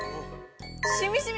しみしみ。